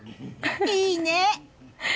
いいね！